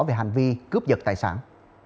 về hành vi cướp giật tài sản